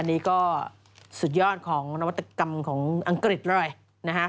อันนี้ก็สุดยอดของนวัตกรรมของอังกฤษเลยนะฮะ